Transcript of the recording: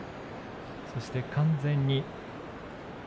そして完全に。